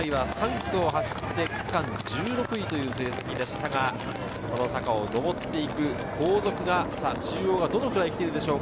前回は３区を走って区間１６位という成績でしたが、この坂を上っていく後続が、中央がどのくらい来ているでしょうか？